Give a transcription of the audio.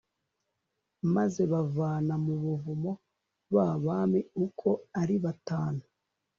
maze bavana mu buvumo ba bami uko ari batanu